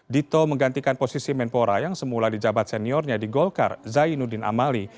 dito menggantikan posisi menpora yang semula di jabat seniornya di golkar zainuddin amali